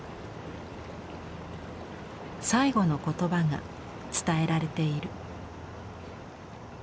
最期の言葉が伝えられている。